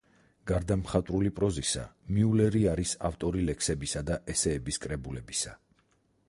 გარდა მხატვრული პროზისა, მიულერი არის ავტორი ლექსებისა და ესეების კრებულებისა.